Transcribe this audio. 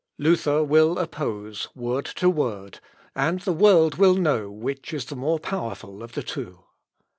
Luther will oppose word to word, and the world will know which is the more powerful of the two.